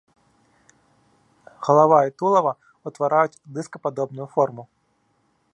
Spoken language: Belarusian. Галава і тулаве ўтвараюць дыскападобную форму.